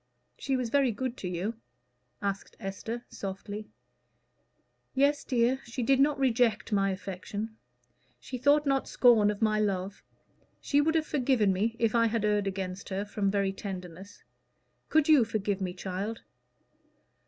"She was very good to you?" asked Esther, softly. "Yes, dear. She did not reject my affection. She thought not scorn of my love. She would have forgiven me, if I had erred against her, from very tenderness. Could you forgive me, child?"